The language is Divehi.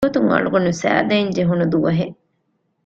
މިގޮތުން އަޅުގަނޑު ސައިދޭންޖެހުނު ދުވަހެއް